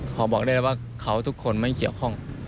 พอบอกได้แล้วว่าเขาทุกคนไม่เกี่ยวข้อง